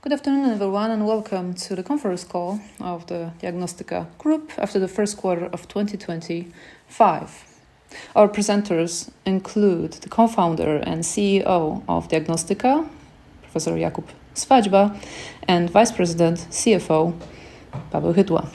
Good afternoon, everyone, and welcome to the conference call of the Diagnostyka Group after the first quarter of 2025. Our presenters include the Co-Founder and CEO of Diagnostyka, Professor Jakub Swadźba, and Vice President, CFO, Paweł Chytła.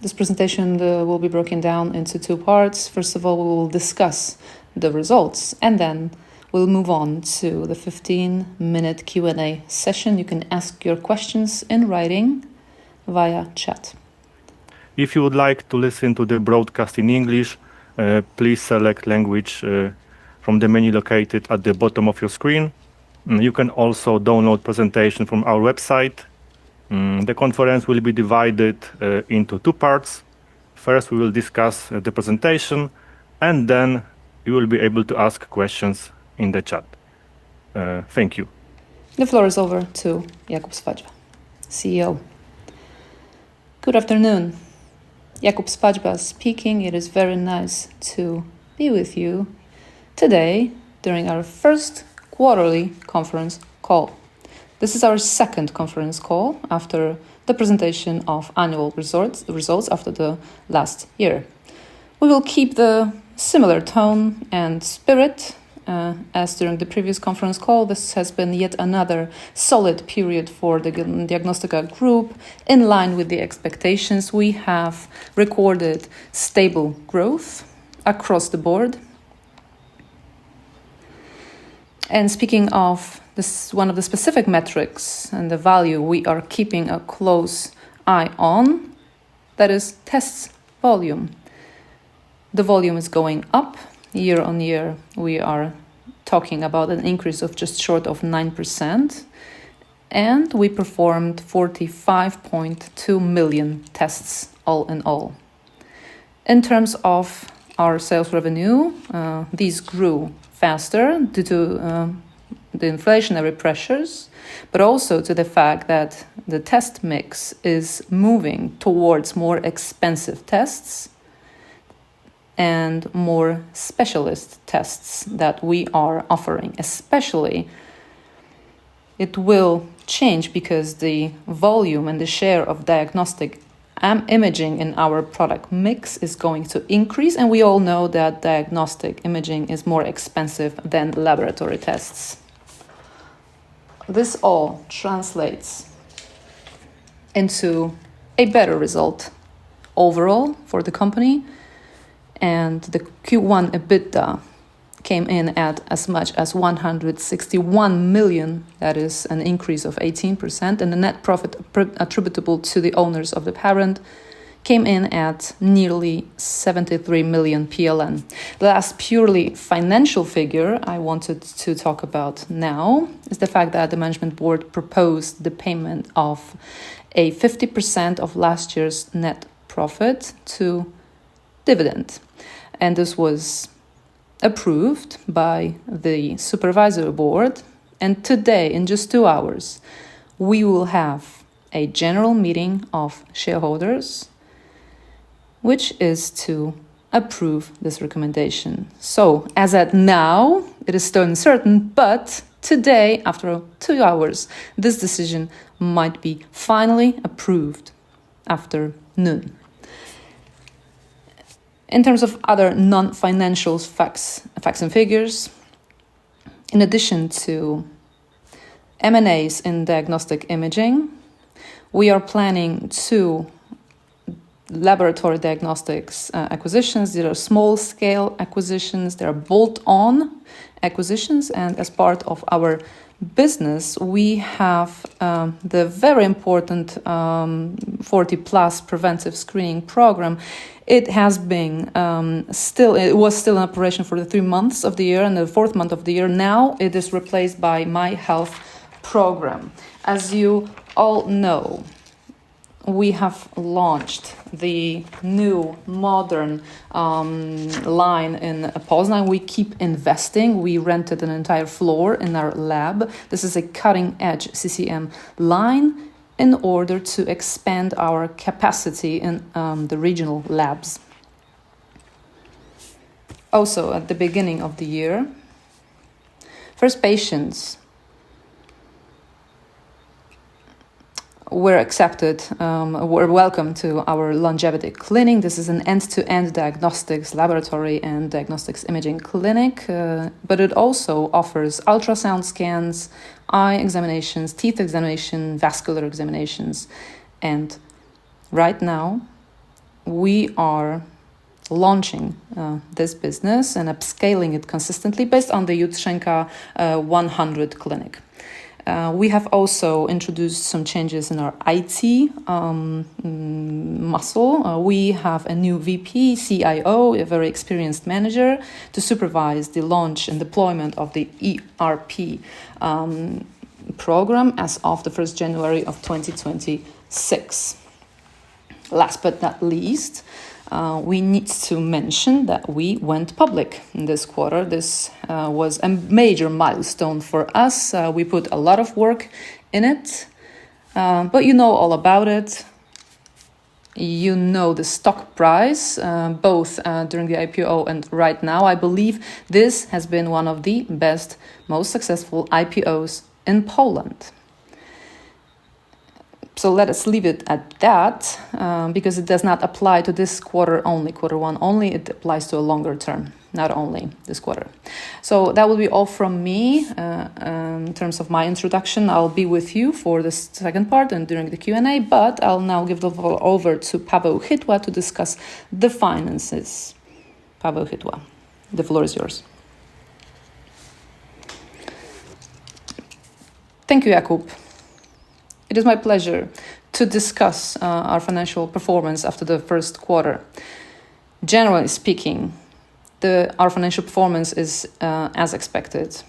This presentation will be broken down into two parts. First of all, we will discuss the results, and then we'll move on to the 15-minute Q&A session. You can ask your questions in writing via chat. If you would like to listen to the broadcast in English, please select language from the menu located at the bottom of your screen. You can also download presentation from our website. The conference will be divided into two parts. First, we will discuss the presentation, and then you will be able to ask questions in the chat. Thank you. The floor is over to Jakub Swadźba, CEO. Good afternoon. Jakub Swadźba speaking. It is very nice to be with you today during our first quarterly conference call. This is our second conference call after the presentation of annual results after the last year. We will keep the similar tone and spirit as during the previous conference call. This has been yet another solid period for the Diagnostyka Group. In line with the expectations, we have recorded stable growth across the board. Speaking of this, one of the specific metrics and the value we are keeping a close eye on, that is tests volume. The volume is going up year-on-year. We are talking about an increase of just short of 9%, and we performed 45.2 million tests all in all. In terms of our sales revenue, these grew faster due to the inflationary pressures, but also to the fact that the test mix is moving towards more expensive tests and more specialist tests that we are offering. Especially, it will change because the volume and the share of diagnostic imaging in our product mix is going to increase, and we all know that diagnostic imaging is more expensive than laboratory tests. This all translates into a better result overall for the company, and the Q1 EBITDA came in at as much as 161 million. That is an increase of 18%, and the net profit attributable to the owners of the parent came in at nearly 73 million PLN. The last purely financial figure I wanted to talk about now is the fact that the Management Board proposed the payment of 50% of last year's net profit as dividend. This was approved by the Supervisory Board, and today, in just two hours, we will have a General Meeting of Shareholders which is to approve this recommendation. As of now, it is still uncertain, but today, after two hours, this decision might be finally approved after noon. In terms of other non-financial facts and figures, in addition to M&As in diagnostic imaging, we are planning two laboratory diagnostics acquisitions. They are small-scale acquisitions. They are bolt-on acquisitions, and as part of our business, we have the very important Profilaktyka 40 PLUS Preventive Screen Program. It was still in operation for the three months of the year and the fourth month of the year. Now it is replaced by My Health program. As you all know, we have launched the new modern line in Poznań. We keep investing. We rented an entire floor in our lab. This is a cutting-edge CCM line in order to expand our capacity in the regional labs. Also, at the beginning of the year, first patients were accepted, were welcome to our longevity clinic. This is an end-to-end diagnostics laboratory and diagnostic imaging clinic, but it also offers ultrasound scans, eye examinations, teeth examinations, vascular examinations and right now we are launching this business and upscaling it consistently based on the Jutrzenka 100 clinic. We have also introduced some changes in our IT muscle. We have a new VP, CIO, a very experienced manager to supervise the launch and deployment of the ERP program as of 1st January of 2026. Last but not least, we need to mention that we went public in this quarter. This was a major milestone for us. We put a lot of work in it, but you know all about it. You know the stock price, both during the IPO and right now. I believe this has been one of the best, most successful IPOs in Poland. Let us leave it at that, because it does not apply to this quarter only, quarter one only. It applies to a longer term, not only this quarter. That will be all from me in terms of my introduction. I'll be with you for the second part and during the Q&A, but I'll now give the floor over to Paweł Chytła to discuss the finances. Paweł Chytła, the floor is yours. Thank you, Jakub. It is my pleasure to discuss our financial performance after the first quarter. Generally speaking, our financial performance is as expected.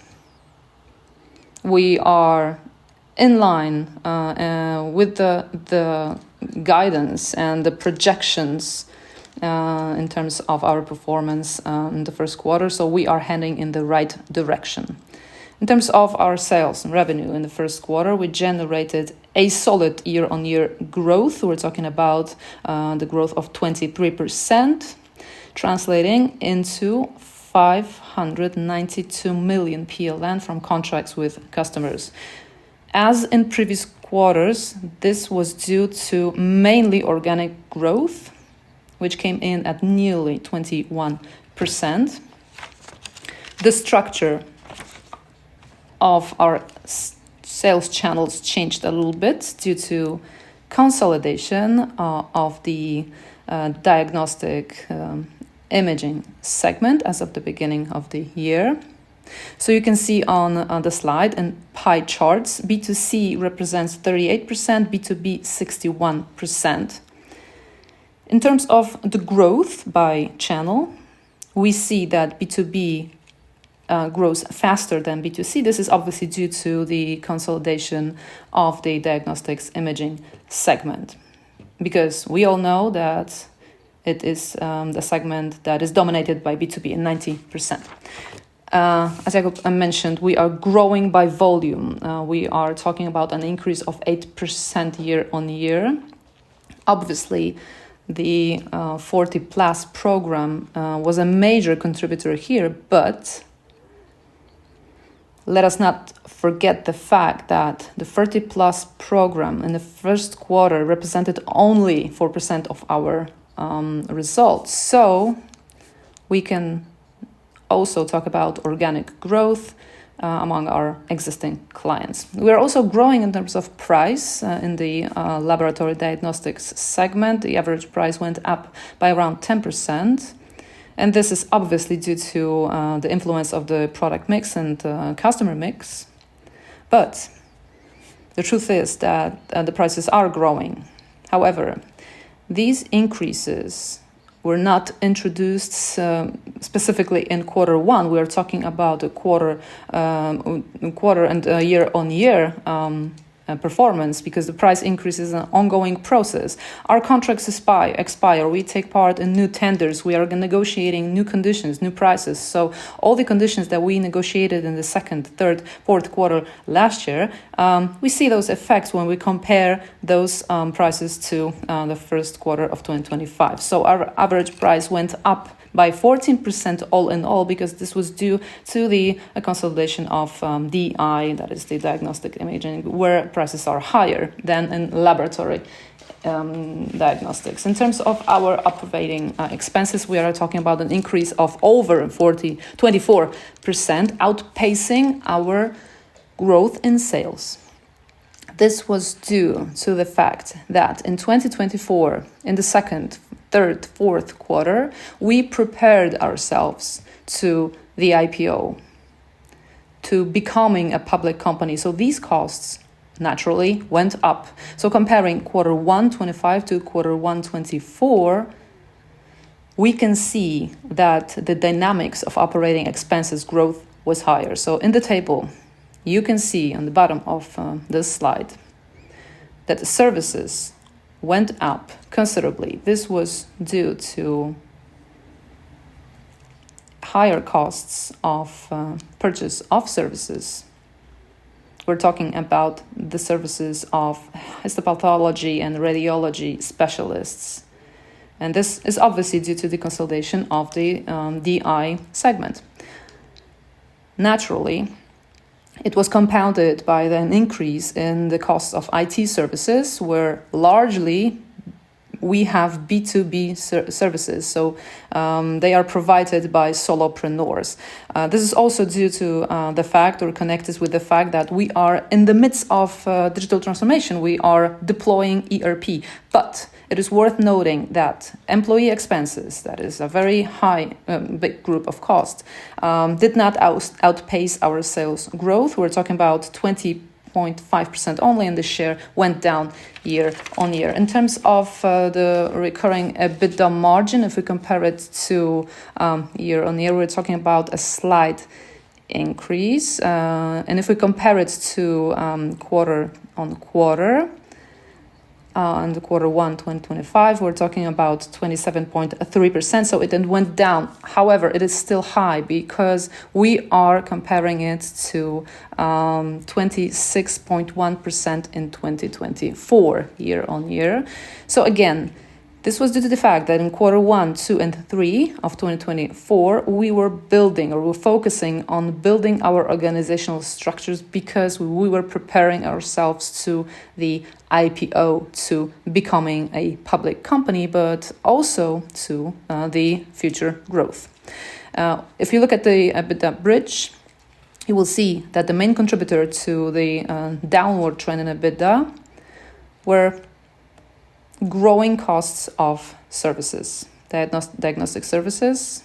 We are in line with the guidance and the projections in terms of our performance in the first quarter, so we are heading in the right direction. In terms of our sales and revenue in the first quarter, we generated a solid year-on-year growth. We're talking about the growth of 23%, translating into 592 million PLN from contracts with customers. As in previous quarters, this was due to mainly organic growth, which came in at nearly 21%. The structure of our sales channels changed a little bit due to consolidation of the diagnostic imaging segment as of the beginning of the year. You can see on the slide in pie charts, B2C represents 38%, B2B 61%. In terms of the growth by channel, we see that B2B grows faster than B2C. This is obviously due to the consolidation of the diagnostic imaging segment because we all know that it is the segment that is dominated by B2B in 90%. As Jakub mentioned, we are growing by volume. We are talking about an increase of 8% year-on-year. Obviously, the 40 PLUS program was a major contributor here, but let us not forget the fact that the 40 PLUS program in the first quarter represented only 4% of our results. We can also talk about organic growth among our existing clients. We're also growing in terms of price. In the laboratory diagnostics segment, the average price went up by around 10%, and this is obviously due to the influence of the product mix and customer mix. The truth is that the prices are growing. However, these increases were not introduced specifically in quarter one. We're talking about a quarter-on-quarter and year-on-year performance because the price increase is an ongoing process. Our contracts expire. We take part in new tenders. We are negotiating new conditions, new prices. All the conditions that we negotiated in the second, third, fourth quarter last year, we see those effects when we compare those prices to the first quarter of 2025. Our average price went up by 14% all in all because this was due to the consolidation of DI, that is diagnostic imaging, where prices are higher than in laboratory diagnostics. In terms of our operating expenses, we are talking about an increase of over 24%, outpacing our growth in sales. This was due to the fact that in 2024, in the second, third, fourth quarter, we prepared ourselves to the IPO, to becoming a public company, so these costs naturally went up. Comparing quarter one 2025 to quarter one 2024, we can see that the dynamics of operating expenses growth was higher. In the table, you can see on the bottom of this slide that the services went up considerably. This was due to higher costs of purchase of services. We're talking about the services of histopathology and radiology specialists, and this is obviously due to the consolidation of the DI segment. Naturally, it was compounded by an increase in the cost of IT services, where largely we have B2B services. They are provided by solopreneurs. This is also due to the fact or connected with the fact that we are in the midst of digital transformation. We are deploying ERP. It is worth noting that employee expenses, that is a very high big group of costs, did not outpace our sales growth. We're talking about 20.5% only, and the share went down year-on-year. In terms of the recurring EBITDA margin, if we compare it to year-on-year, we're talking about a slight increase, and if we compare it to quarter-on-quarter, in Q1 2025, we're talking about 27.3%, so it went down. However, it is still high because we are comparing it to 26.1% in 2024 year-on-year. This was due to the fact that in Q1, Q2, and Q3 of 2024, we were building or we were focusing on building our organizational structures because we were preparing ourselves to the IPO to becoming a public company, but also to the future growth. If you look at the EBITDA bridge, you will see that the main contributor to the downward trend in EBITDA were growing costs of services, diagnostic services,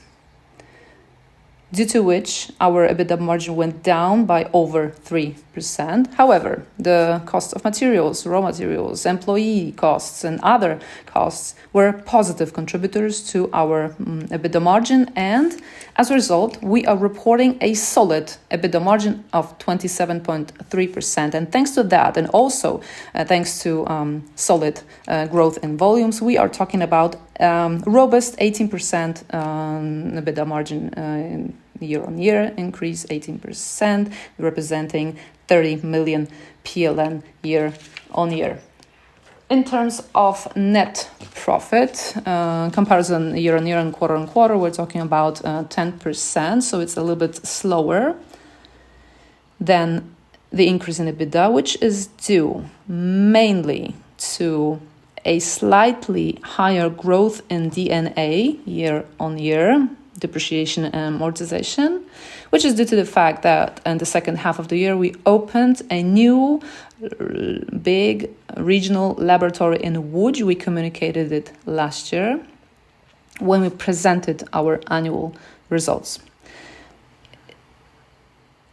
due to which our EBITDA margin went down by over 3%. However, the cost of materials, raw materials, employee costs, and other costs were positive contributors to our EBITDA margin, and as a result, we are reporting a solid EBITDA margin of 27.3%. Thanks to that, and also, thanks to solid growth in volumes, we are talking about robust 18% EBITDA margin in year-on-year increase 18%, representing PLN 30 million year-on-year. In terms of net profit, comparison year-on-year and quarter-on-quarter, we're talking about 10%, so it's a little bit slower than the increase in EBITDA, which is due mainly to a slightly higher growth in D&A year-on-year, depreciation & amortization, which is due to the fact that in the second half of the year, we opened a new big regional laboratory in Łódź. We communicated it last year when we presented our annual results.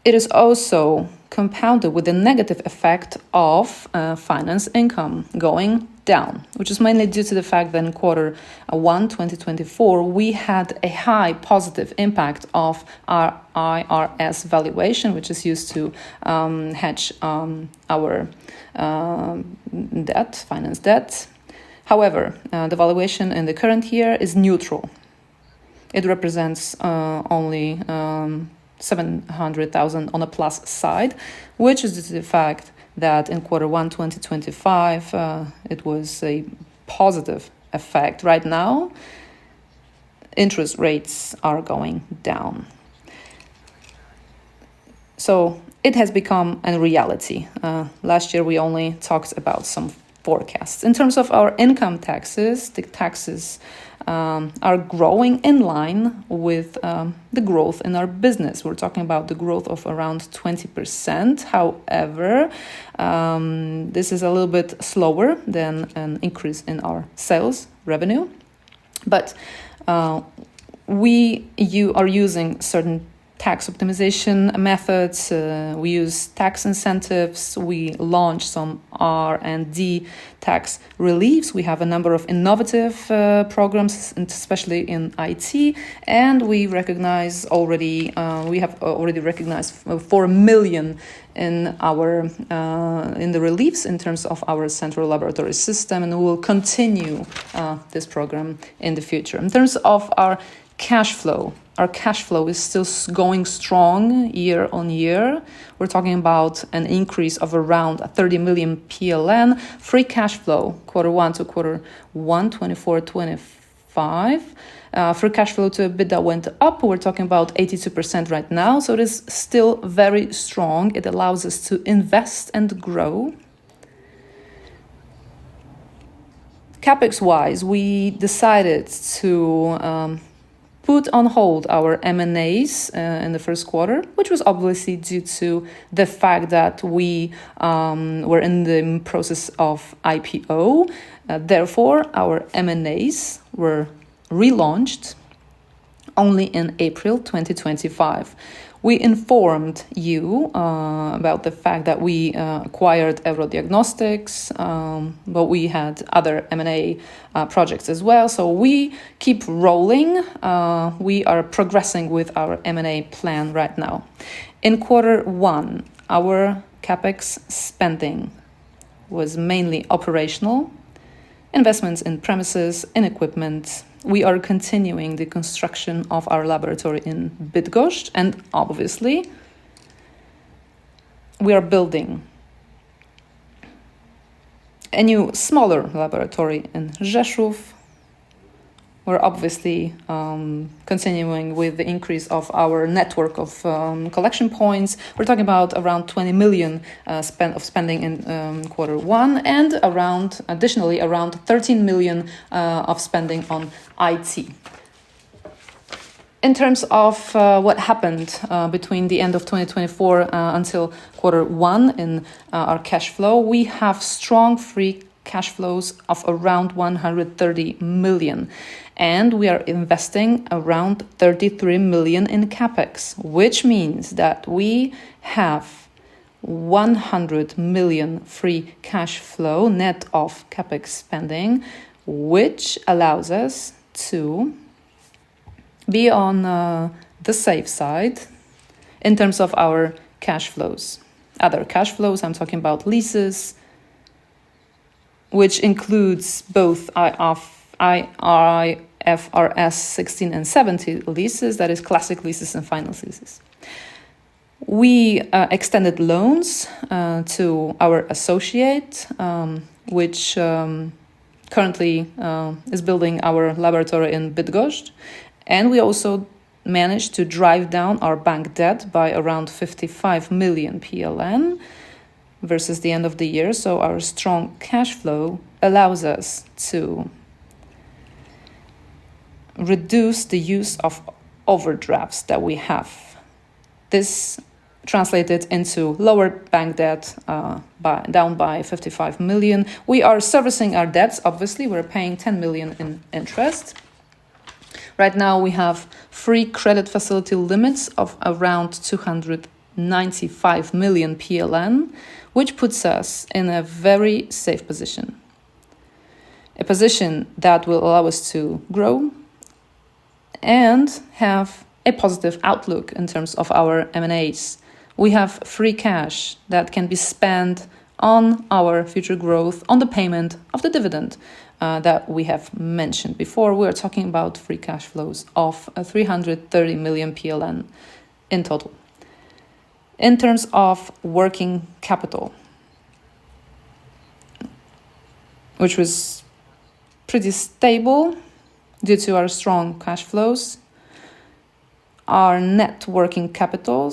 It is also compounded with a negative effect of finance income going down, which is mainly due to the fact that in quarter one 2024, we had a high positive impact of our IRS valuation, which is used to hedge our financial debt. However, the valuation in the current year is neutral. It represents only 700,000 on a plus side, which is due to the fact that in Q1 2025 it was a positive effect. Right now, interest rates are going down. It has become a reality. Last year we only talked about some forecasts. In terms of our income taxes, the taxes are growing in line with the growth in our business. We're talking about the growth of around 20%. However, this is a little bit slower than an increase in our sales revenue. We are using certain tax optimization methods. We use tax incentives. We launch some R&D tax reliefs. We have a number of innovative programs, especially in IT, and we recognize already, we have already recognized 4 million in our reliefs in terms of our central laboratory system, and we will continue this program in the future. In terms of our cash flow, our cash flow is still going strong year-on-year. We're talking about an increase of around 30 million PLN, free cash flow, quarter one to quarter one 2024-2025. Free cash flow to EBITDA went up. We're talking about 82% right now, so it is still very strong. It allows us to invest and grow. CapEx-wise, we decided to put on hold our M&As in the first quarter, which was obviously due to the fact that we were in the process of IPO. Therefore, our M&As were relaunched only in April 2025. We informed you about the fact that we acquired Eurodiagnostics, but we had other M&A projects as well. We keep rolling. We are progressing with our M&A plan right now. In quarter one, our CapEx spending was mainly operational, investments in premises, in equipment. We are continuing the construction of our laboratory in Bydgoszcz, and obviously, we are building a new smaller laboratory in Rzeszów. We're obviously continuing with the increase of our network of collection points. We're talking about around 20 million spending in quarter one and additionally around 13 million of spending on IT. In terms of what happened between the end of 2024 until quarter one in our cash flow, we have strong free cash flows of around 130 million, and we are investing around 33 million in CapEx, which means that we have 100 million free cash flow net of CapEx spending, which allows us to be on the safe side in terms of our cash flows. Other cash flows, I'm talking about leases, which includes both IFRS 16 and 17 leases, that is classic leases and finance leases. We extended loans to our associate, which currently is building our laboratory in Bydgoszcz, and we also managed to drive down our bank debt by around 55 million PLN versus the end of the year. Our strong cash flow allows us to reduce the use of overdrafts that we have. This translated into lower bank debt, down by 55 million. We are servicing our debts, obviously. We're paying 10 million in interest. Right now, we have free credit facility limits of around 295 million PLN, which puts us in a very safe position, a position that will allow us to grow and have a positive outlook in terms of our M&As. We have free cash that can be spent on our future growth, on the payment of the dividend, that we have mentioned before. We are talking about free cash flows of 330 million PLN in total. In terms of working capital, which was pretty stable due to our strong cash flows, our net working capital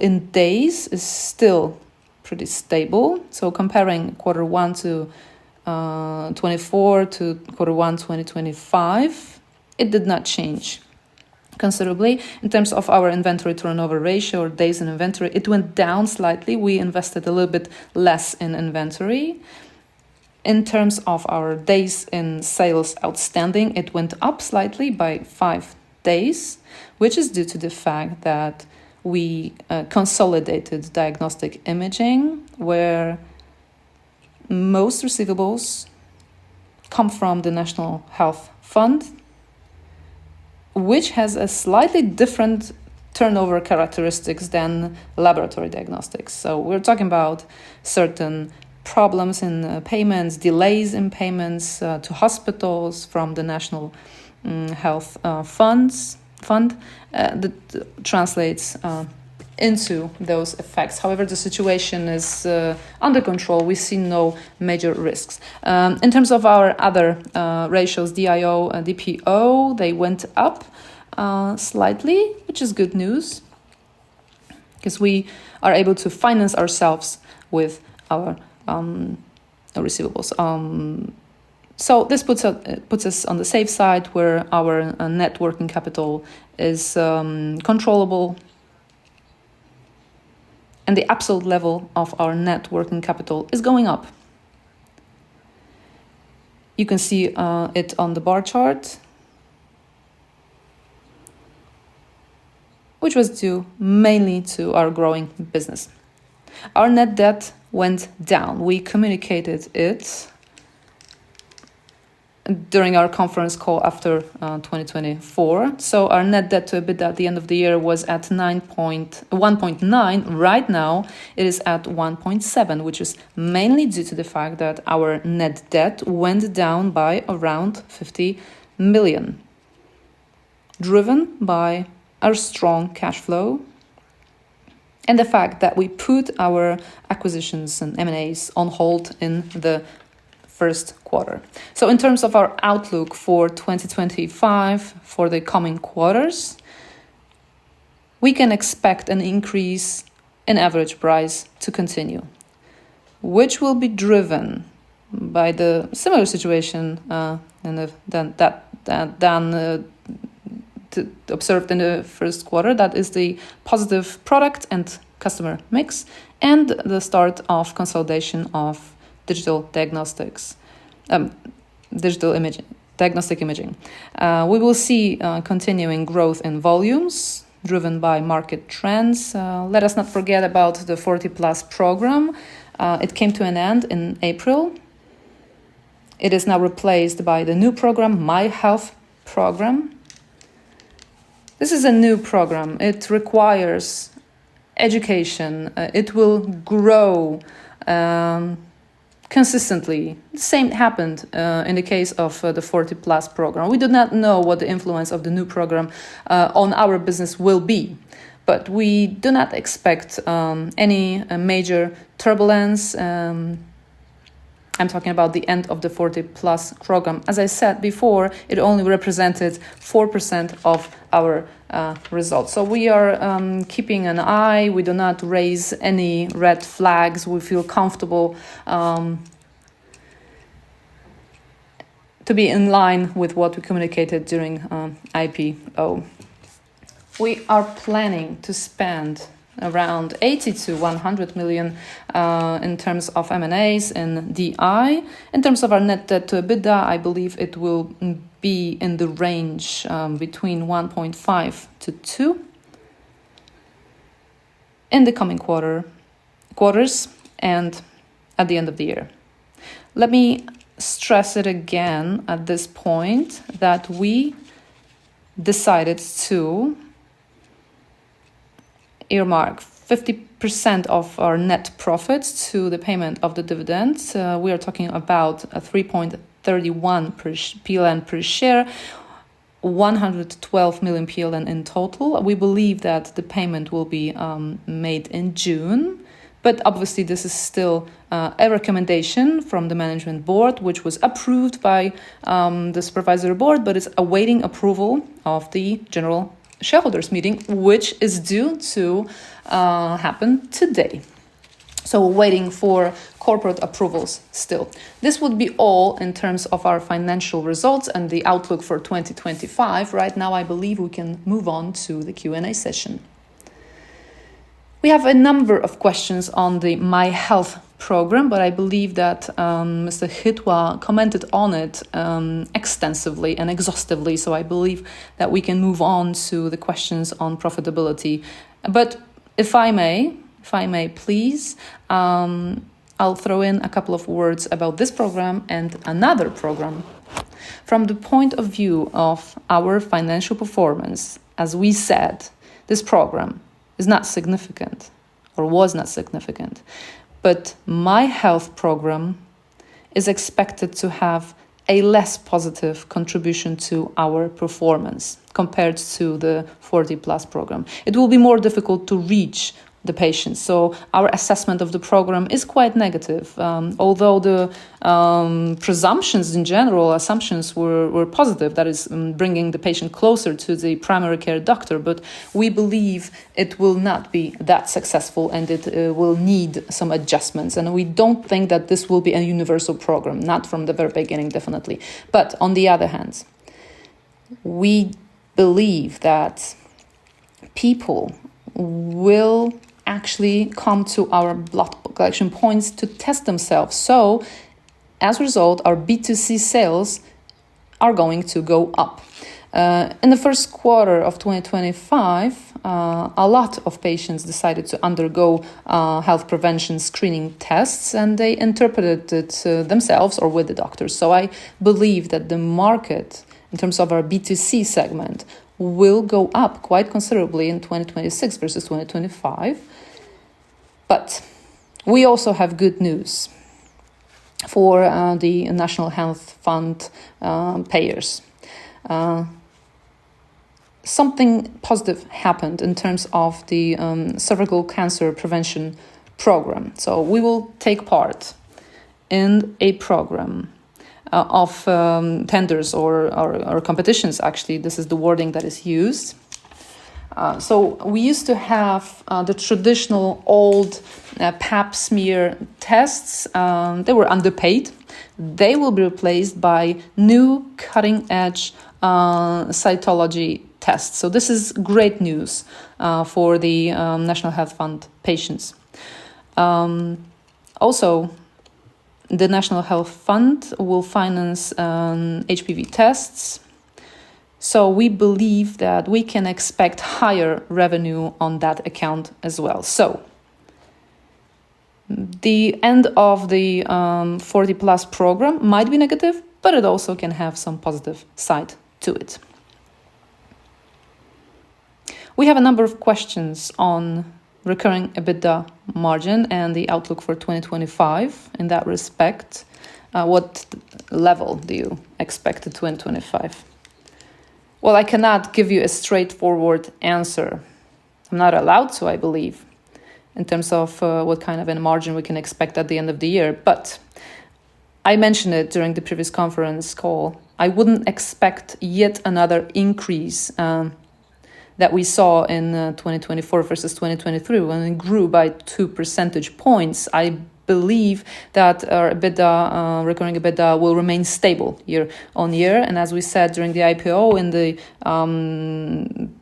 in days is still pretty stable. Comparing quarter one 2024 to quarter one 2025, it did not change considerably. In terms of our inventory turnover ratio or days in inventory, it went down slightly. We invested a little bit less in inventory. In terms of our days in sales outstanding, it went up slightly by 5 days, which is due to the fact that we consolidated diagnostic imaging, where most receivables come from the National Health Fund, which has a slightly different turnover characteristics than laboratory diagnostics. We're talking about certain problems in payments, delays in payments to hospitals from the National Health Fund. That translates into those effects. However, the situation is under control. We see no major risks. In terms of our other ratios, DIO and DPO, they went up slightly, which is good news 'cause we are able to finance ourselves with our receivables. This puts us on the safe side where our net working capital is controllable and the absolute level of our net working capital is going up. You can see it on the bar chart, which was due mainly to our growing business. Our net debt went down. We communicated it during our conference call after 2024. Our net debt to EBITDA at the end of the year was at 1.9. Right now, it is at 1.7, which is mainly due to the fact that our net debt went down by around 50 million, driven by our strong cash flow and the fact that we put our acquisitions and M&As on hold in the first quarter. In terms of our outlook for 2025, for the coming quarters, we can expect an increase in average price to continue, which will be driven by the similar situation observed in the first quarter. That is the positive product and customer mix and the start of consolidation of digital diagnostics, digital imaging, diagnostic imaging. We will see continuing growth in volumes driven by market trends. Let us not forget about the 40 Plus program. It came to an end in April. It is now replaced by the new program, My Health program. This is a new program. It requires education. It will grow consistently. The same happened in the case of the 40 PLUS program. We do not know what the influence of the new program on our business will be. We do not expect any major turbulence. I'm talking about the end of the 40 PLUS program. As I said before, it only represented 4% of our results. We are keeping an eye. We do not raise any red flags. We feel comfortable to be in line with what we communicated during IPO. We are planning to spend around 80 million-100 million in terms of M&As and DI. In terms of our net debt to EBITDA, I believe it will be in the range between 1.5-2 in the coming quarters and at the end of the year. Let me stress it again at this point that we decided to earmark 50% of our net profits to the payment of the dividends. We are talking about 3.31 PLN per share, 112 million PLN in total. We believe that the payment will be made in June. Obviously, this is still a recommendation from the Management Board, which was approved by the Supervisory Board, but is awaiting approval of the General Shareholders Meeting, which is due to happen today. Waiting for corporate approvals still. This would be all in terms of our financial results and the outlook for 2025. Right now, I believe we can move on to the Q&A session. We have a number of questions on the My Health program, but I believe that Mr. Chytła commented on it extensively and exhaustively, so I believe that we can move on to the questions on profitability. If I may please, I'll throw in a couple of words about this program and another program. From the point of view of our financial performance, as we said, this program is not significant or was not significant. My Health program is expected to have a less positive contribution to our performance compared to the 40 PLUS program. It will be more difficult to reach the patients, so our assessment of the program is quite negative. Although the presumptions in general, assumptions were positive, that is, bringing the patient closer to the primary care doctor, but we believe it will not be that successful, and it will need some adjustments. We don't think that this will be a universal program, not from the very beginning, definitely. On the other hand, we believe that people will actually come to our blood collection points to test themselves. As a result, our B2C sales are going to go up. In the first quarter of 2025, a lot of patients decided to undergo health prevention screening tests, and they interpreted it themselves or with the doctors. I believe that the market, in terms of our B2C segment, will go up quite considerably in 2026 versus 2025. We also have good news for the National Health Fund payers. Something positive happened in terms of the cervical cancer prevention program. We will take part in a program of tenders or competitions, actually. This is the wording that is used. We used to have the traditional old Pap smear tests. They were underpaid. They will be replaced by new cutting-edge cytology tests. This is great news for the National Health Fund patients. Also, the National Health Fund will finance HPV tests, so we believe that we can expect higher revenue on that account as well. The end of the 40 Plus program might be negative, but it also can have some positive side to it. We have a number of questions on recurring EBITDA margin and the outlook for 2025 in that respect. What level do you expect in 2025? Well, I cannot give you a straightforward answer. I'm not allowed to, I believe, in terms of what kind of a margin we can expect at the end of the year. I mentioned it during the previous conference call. I wouldn't expect yet another increase that we saw in 2024 versus 2023 when it grew by two percentage points. I believe that our EBITDA, recurring EBITDA will remain stable year-on-year. As we said during the IPO in the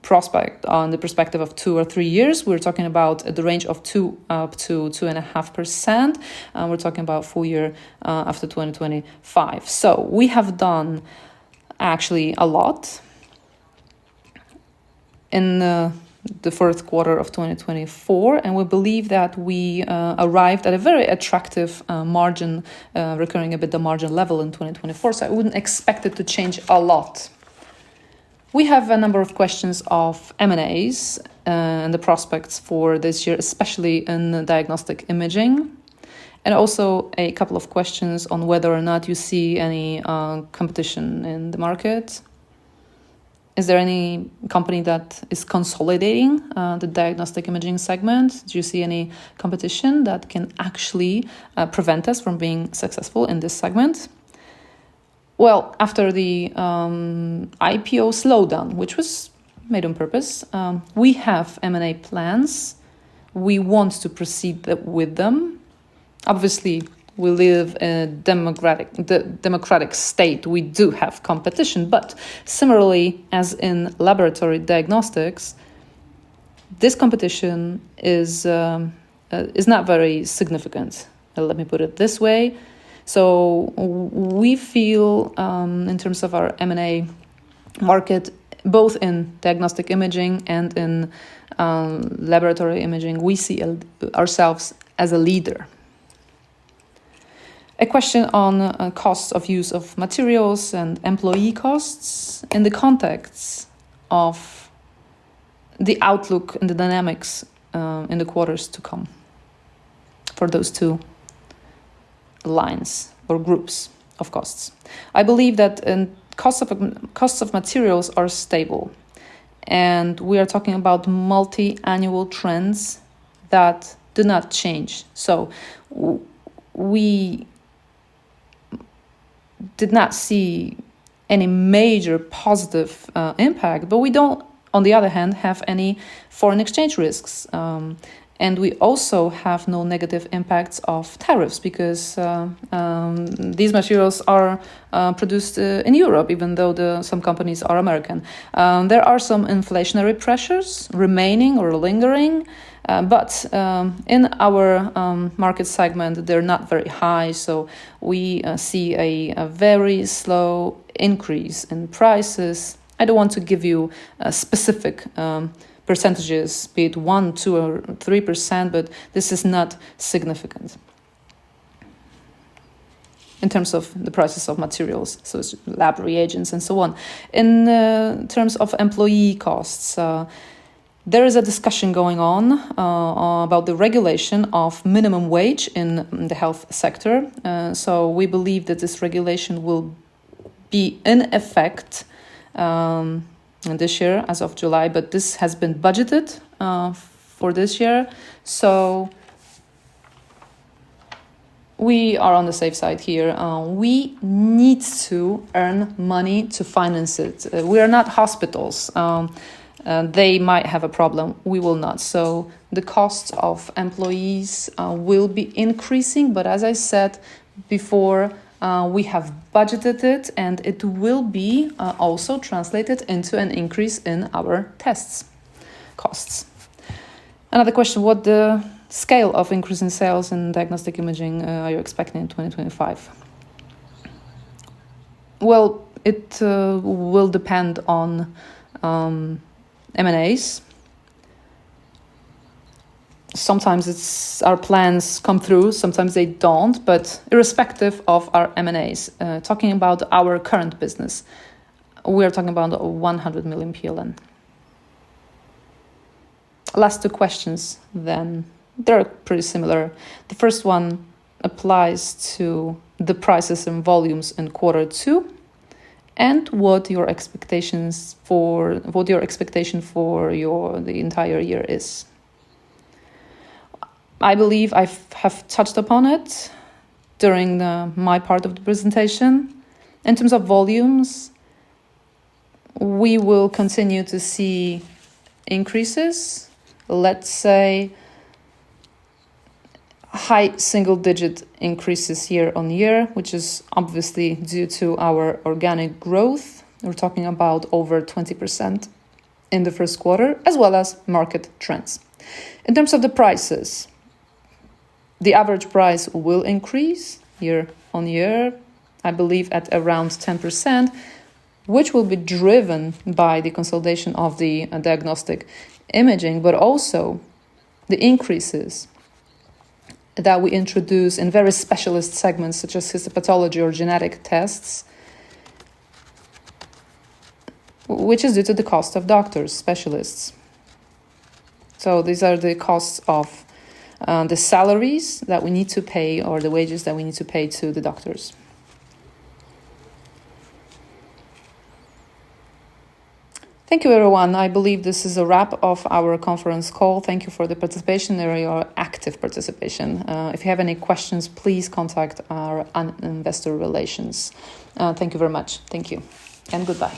prospect, in the perspective of two or three years, we're talking about the range of 2%-2.5%, and we're talking about full year after 2025. We have done actually a lot in the fourth quarter of 2024, and we believe that we arrived at a very attractive recurring EBITDA margin level in 2024, so I wouldn't expect it to change a lot. We have a number of questions of M&As and the prospects for this year, especially in diagnostic imaging, and also a couple of questions on whether or not you see any competition in the market. Is there any company that is consolidating the diagnostic imaging segment? Do you see any competition that can actually prevent us from being successful in this segment? Well, after the IPO slowdown, which was made on purpose, we have M&A plans. We want to proceed with them. Obviously, we live in a democratic state. We do have competition. Similarly, as in laboratory diagnostics, this competition is not very significant. Let me put it this way. We feel, in terms of our M&A market, both in diagnostic imaging and in laboratory diagnostics, we see ourselves as a leader. A question on costs of materials and employee costs in the context of the outlook and the dynamics in the quarters to come for those two lines or groups of costs. I believe that costs of materials are stable, and we are talking about multi-annual trends that do not change. We did not see any major positive impact, but we don't, on the other hand, have any foreign exchange risks. We also have no negative impacts of tariffs because these materials are produced in Europe, even though some companies are American. There are some inflationary pressures remaining or lingering, but in our market segment, they're not very high, so we see a very slow increase in prices. I don't want to give you specific percentages, be it 1, 2, or 3%, but this is not significant in terms of the prices of materials, so lab reagents and so on. In terms of employee costs, there is a discussion going on about the regulation of minimum wage in the health sector. We believe that this regulation will be in effect this year as of July, but this has been budgeted for this year. We are on the safe side here. We need to earn money to finance it. We are not hospitals. They might have a problem. We will not. The cost of employees will be increasing, but as I said before, we have budgeted it, and it will be also translated into an increase in our tests costs. Another question, what the scale of increase in sales in diagnostic imaging are you expecting in 2025? It will depend on M&As. Sometimes it's our plans come through, sometimes they don't, but irrespective of our M&As, talking about our current business, we're talking about 100 million PLN. Last two questions then. They're pretty similar. The first one applies to the prices and volumes in quarter two and what your expectation for the entire year is. I believe I've touched upon it during my part of the presentation. In terms of volumes, we will continue to see increases, let's say high single-digit increases year-on-year, which is obviously due to our organic growth, we're talking about over 20% in the first quarter, as well as market trends. In terms of the prices, the average price will increase year-on-year, I believe at around 10%, which will be driven by the consolidation of the diagnostic imaging, but also the increases that we introduce in very specialist segments, such as histopathology or genetic tests which is due to the cost of doctors, specialists. These are the costs of the salaries that we need to pay or the wages that we need to pay to the doctors. Thank you, everyone. I believe this is a wrap of our conference call. Thank you for the participation, very active participation. If you have any questions, please contact our Investor Relations. Thank you very much. Thank you, and goodbye.